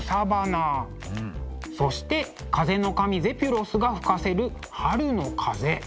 そして風の神ゼピュロスが吹かせる春の風。